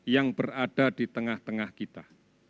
yang berada di tengah tengah kita